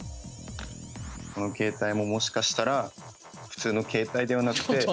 この携帯ももしかしたら普通の携帯ではなくて。